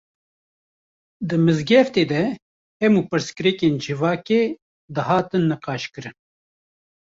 Di mizgeftê de hemû pirsgirêkên civakê, dihatin niqaş kirin